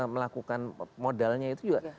melakukan modalnya itu juga